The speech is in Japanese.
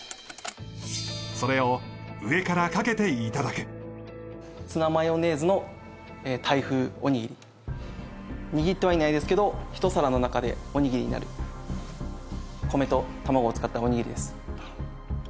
それを上からかけて頂くツナマヨネーズのタイ風おにぎり握ってはいないですけどひと皿の中でおにぎりになる米と卵を使ったおにぎりです